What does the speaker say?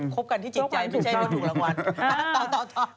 ครบกันที่จริงใจไม่ใช่ถูกรางวัลตอบจริง